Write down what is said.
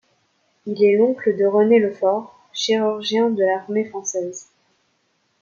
Il est l'oncle de René Le Fort, chirurgien de l'armée française.